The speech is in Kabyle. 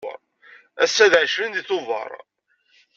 Ass-a d ɛecrin deg Tubeṛ.